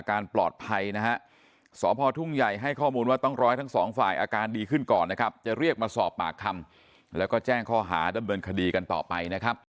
นะฮะสพทุ่งใหญ่ให้ข้อมูลว่าต้องรอให้ทั้งสองฝ่ายอาการดีขึ้นก่อนนะครับจะเรียกมาสอบปากคำแล้วก็แจ้งข้อหาดำเนินคดีกันต่อไปนะครับ